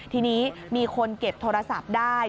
ทีนี้มีคนเก็บโทรศัพท์ได้